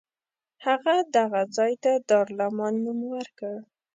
هغه دغه ځای ته دارالامان نوم ورکړ.